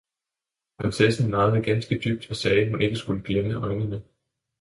Prinsessen nejede ganske dybt, og sagde, hun skulle ikke glemme øjnene.